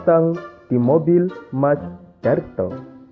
tak kehilang kamu